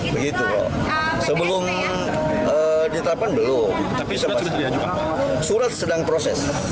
begitu sebelum ditetapkan belum tapi surat sudah terlihat juga apa surat sedang proses